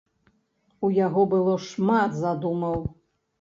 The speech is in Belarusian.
У яго было шмат задумаў.